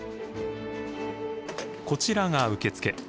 こちらが受付。